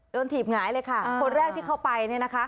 ถีบหงายเลยค่ะคนแรกที่เข้าไปเนี่ยนะคะ